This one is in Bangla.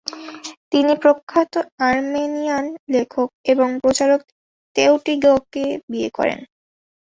তিনি প্রখ্যাত আর্মেনিয়ান লেখক এবং প্রচারক তেওটিগকে বিয়ে করেন।